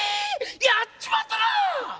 やっちまったな！